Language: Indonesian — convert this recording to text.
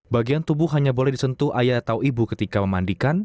bagian tubuh hanya boleh disentuh ayah atau ibu ketika memandikan